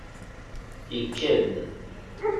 Ikad!